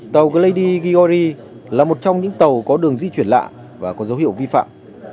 tàu gledy giori là một trong những tàu có đường di chuyển lạ và có dấu hiệu vi phạm